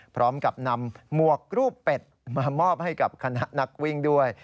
พร้อมกับนำหมวกรูปเป็ดมามอบให้กับคณะนักวิ่งด้วย